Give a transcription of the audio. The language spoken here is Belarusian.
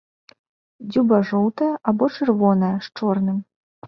Дзюба жоўтая або чырвоная з чорным.